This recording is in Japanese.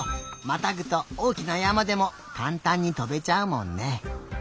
またぐとおおきなやまでもかんたんにとべちゃうもんね。